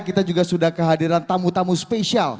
kita juga sudah kehadiran tamu tamu spesial